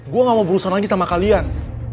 gue gak mau berurusan lagi sama kalian